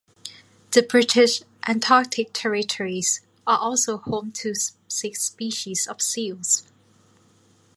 The British Antarctic Territories are also home to six species of seals.